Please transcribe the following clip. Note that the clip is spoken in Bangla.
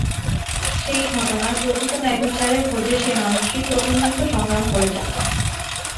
সেই ঘটনার প্রকৃত ন্যায়বিচারের খোঁজে সে মানুষটি প্রতিনিয়ত সংগ্রাম করে যাচ্ছে।